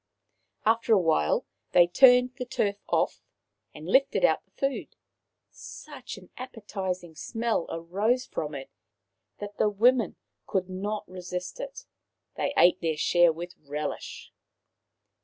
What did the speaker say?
After a while they turned the turf off and lifted out the food. Such an appetizing smell arose from it that the women could not resist it. They ate their share with relish.